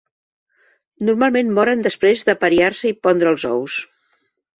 Normalment moren després d'apariar-se i pondre els ous.